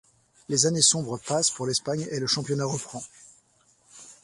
Les années sombres passent pour l'Espagne et le championnat reprend.